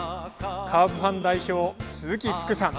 カープファン代表、鈴木福さん。